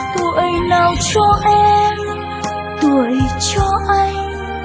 tuổi nào cho em tuổi cho anh